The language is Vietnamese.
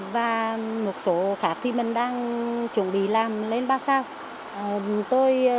và một số khác thì mình đang chuẩn bị làm lên ba sao